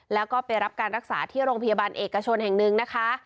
แล้วก็ไปรับการรักษาที่โรงพยาบาลเอกชนแห่งหนึ่งนะคะ